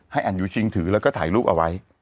ให้อันอยู่ชิงถือแล้วก็ถ่ายลูกเอาไว้